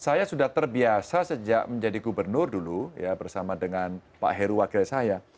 saya sudah terbiasa sejak menjadi gubernur dulu ya bersama dengan pak heru wakil saya